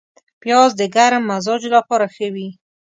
پیاز د ګرم مزاجو لپاره ښه وي